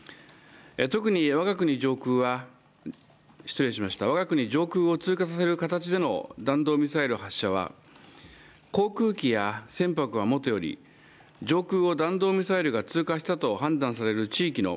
特に我が国上空を通過させる形での弾道ミサイル発射は、航空機や船舶はもとより上空を弾道ミサイルが通過したと判断される地域の